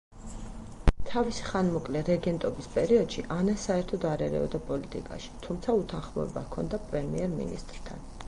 თავისი ხანმოკლე რეგენტობის პერიოდში ანა საერთოდ არ ერეოდა პოლიტიკაში, თუმცა უთანხმოება ჰქონდა პრემიერ-მინისტრთან.